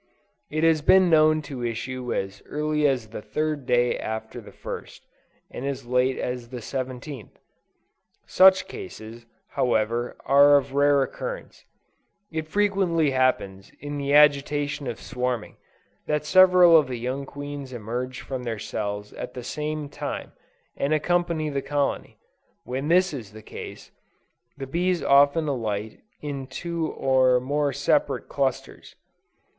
It has been known to issue as early as the third day after the first, and as late as the seventeenth. Such cases, however, are of rare occurrence. It frequently happens in the agitation of swarming, that several of the young queens emerge from their cells at the same time, and accompany the colony: when this is the case, the bees often alight in two or more separate clusters.